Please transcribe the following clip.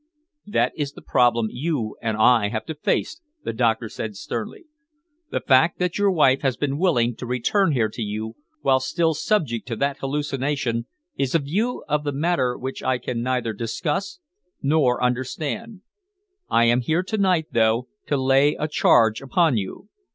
"That is the problem you and I have to face," the doctor said sternly. "The fact that your wife has been willing to return here to you, whilst still subject to that hallucination, is a view of the matter which I can neither discuss nor understand. I am here to night, though, to lay a charge upon you.